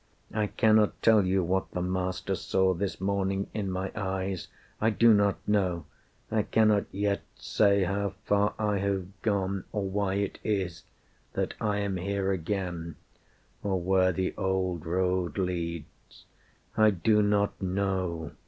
I cannot tell you what the Master saw This morning in my eyes. I do not know. I cannot yet say how far I have gone, Or why it is that I am here again, Or where the old road leads. I do not know.